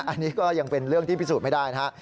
อันนี้ก็ยังเป็นเรื่องที่พิสูจน์ไม่ได้นะครับ